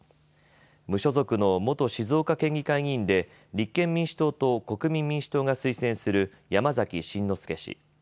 無所属の元静岡県議会議員で立憲民主党と国民民主党が推薦する山崎真之輔氏。